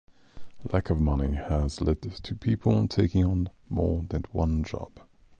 Lack of money has led to people taking on more than one job.